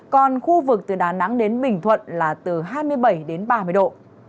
còn khu vực từ đà nẵng đến bình thuận là từ hai mươi bảy đến ba mươi độ